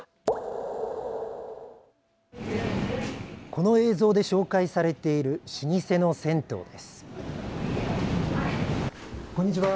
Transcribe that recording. この映像で紹介されている老舗の銭湯です。